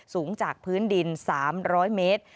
สูงจากพื้นดิน๓๐๐เมตร